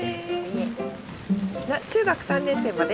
中学３年生まで？